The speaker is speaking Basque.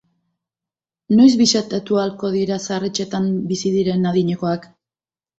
Noiz bisitatu ahalko dira zahar-etxeetan bizi diren adinekoak?